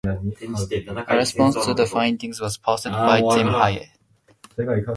A response to the findings was posted by Tim Hayes.